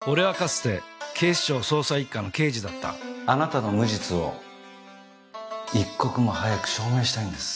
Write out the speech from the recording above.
俺はかつて警視庁捜査一課の刑事だったあなたの無実を一刻も早く証明したいんです。